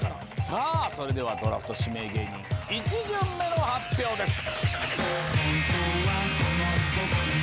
さあそれではドラフト指名芸人１巡目の発表です。